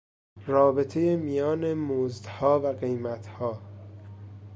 رابطهی میان مزدها و قیمتها